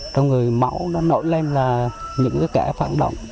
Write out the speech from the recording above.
trong người mẫu nó nổi lên là những cái kẻ phản động